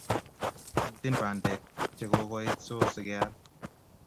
Miten Bandek che kokoit so sikeyal